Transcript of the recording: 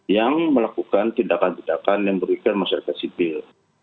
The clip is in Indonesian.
yang melakukan tindakan tindakan yang merugikan masyarakat sipil